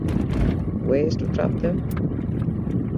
Ways to trap them?